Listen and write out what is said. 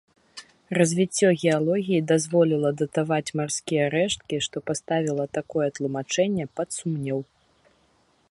Развіццё геалогіі дазволіла датаваць марскія рэшткі, што паставіла такое тлумачэнне пад сумнеў.